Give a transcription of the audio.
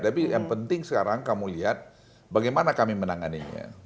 tapi yang penting sekarang kamu lihat bagaimana kami menanganinya